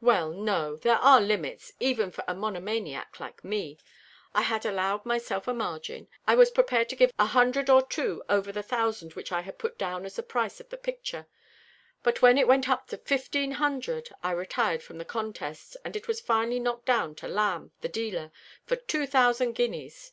"Well, no. There are limits, even for a monomaniac like me. I had allowed myself a margin. I was prepared to give a hundred or two over the thousand which I had put down as the price of the picture; but when it went up to fifteen hundred I retired from the contest, and it was finally knocked down to Lamb, the dealer, for two thousand guineas.